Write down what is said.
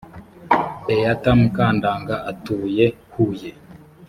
beata mukandanga atuye huye